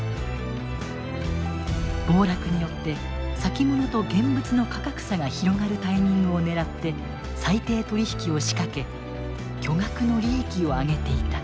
暴落によって先物と現物の価格差が広がるタイミングを狙って裁定取引を仕掛け巨額の利益を上げていた。